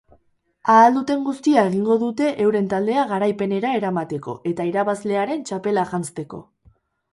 Ahal duten guztia egingo dute euren taldea garaipenera eramateko eta irabazlearen txapela janzteko.